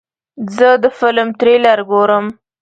زه د فلم تریلر ګورم.